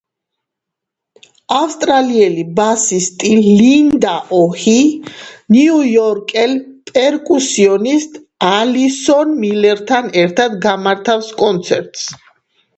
ავსტრალიელი ბასისტი ლინდა ოჰი, ნიუ-იორკელ პერკუსიონსტ ალისონ მილერთან ერთად გამართავს კონცერტს.